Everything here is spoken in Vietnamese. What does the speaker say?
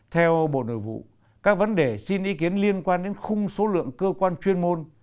theo bộ nội vụ các vấn đề xin ý kiến liên quan đến khung số lượng cơ quan chuyên môn